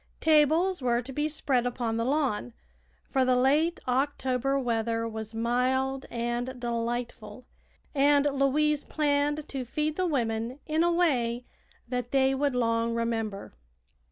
Tables were to be spread upon the lawn, for the late October weather was mild and delightful, and Louise planned to feed the women in a way that they would long remember.